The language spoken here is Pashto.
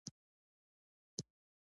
دوی خو عرب دي.